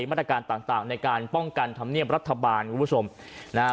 มาตรการต่างต่างในการป้องกันธรรมเนียบรัฐบาลคุณผู้ชมนะฮะ